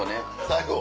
最後。